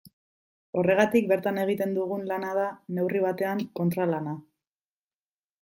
Horregatik bertan egiten dugun lana da, neurri batean, kontralana.